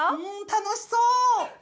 楽しそう！